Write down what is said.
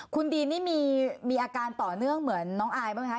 คุณดีนนี่มีอาการต่อเนื่องเหมือนน้องอายบ้างไหมคะ